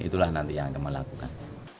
itulah nanti yang akan melakukannya